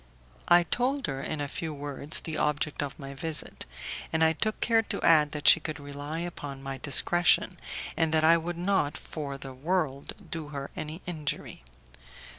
I told her in a few words the object of my visit, and I took care to add that she could rely upon my discretion, and that I would not for the world do her any injury.